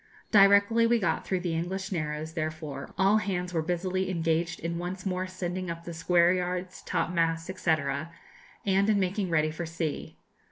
Directly we got through the English Narrows, therefore, all hands were busily engaged in once more sending up the square yards, top masts, &c., and in making ready for sea.